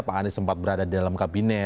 pak anies sempat berada di dalam kabinet